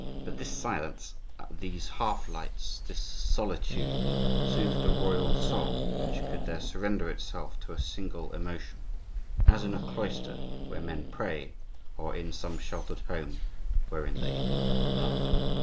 But this silence, these half lights, this solitude, soothed a royal soul, which could there surrender itself to a single emotion, as in a cloister where men pray, or in some sheltered home wherein they love.